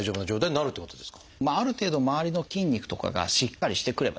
ある程度周りの筋肉とかがしっかりしてくればですね